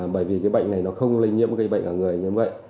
bởi vì bệnh này không lây nhiễm gây bệnh ở người